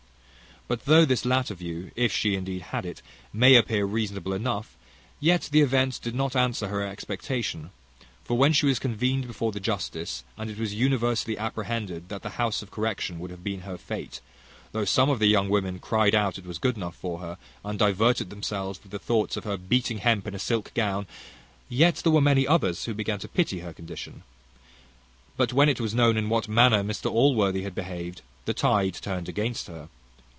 But though this latter view, if she indeed had it, may appear reasonable enough, yet the event did not answer her expectation; for when she was convened before the justice, and it was universally apprehended that the house of correction would have been her fate, though some of the young women cryed out "It was good enough for her," and diverted themselves with the thoughts of her beating hemp in a silk gown; yet there were many others who began to pity her condition: but when it was known in what manner Mr Allworthy had behaved, the tide turned against her.